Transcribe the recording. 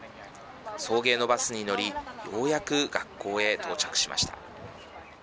送迎のバスに乗りようやく学校へ到着しました。